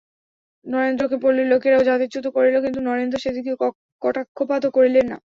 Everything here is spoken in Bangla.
নরেন্দ্রকে পল্লীর লোকেরা জাতিচ্যুত করিল, কিন্তু নরেন্দ্র সে দিকে কটাক্ষপাতও করিলেন না।